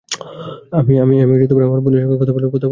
আমি আমার বোনের সঙ্গে কথা বলার সময় খুব নিচু স্বরে বলি।